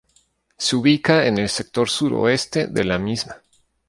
Se ubica en el sector sur-oeste de la misma.